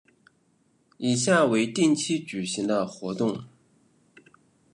以下为定期举行的活动